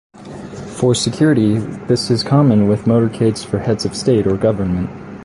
For security, this is common with motorcades for heads of state or government.